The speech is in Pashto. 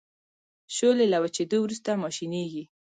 شولې له وچیدو وروسته ماشینیږي.